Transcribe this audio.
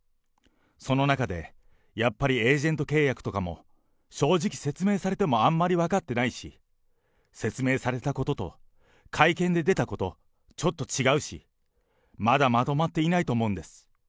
その中で、やっぱりエージェント契約とかも正直、説明されてもあんまり分かってないし、説明されたことと会見で出たこと、ちょっと違うし、まだまとまっていないと思うんです。